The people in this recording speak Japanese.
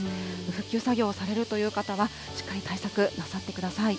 復旧作業をされるという方は、しっかり対策なさってください。